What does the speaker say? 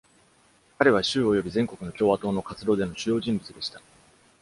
彼は州および全国の共和党の活動での主要人物でした。